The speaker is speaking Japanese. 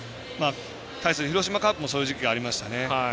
対する広島カープもそういう時期がありましたね。